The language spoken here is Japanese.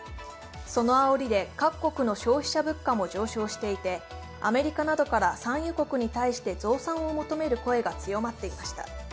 そのあおりで各国の消費者物価も上昇していてアメリカなどから産油国に対して増産を求める声が強まっていました。